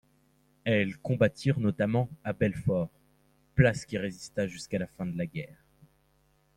Elles combattirent notamment à Belfort, place qui résista jusqu'à la fin de la guerre.